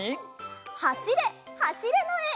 「はしれはしれ」のえ。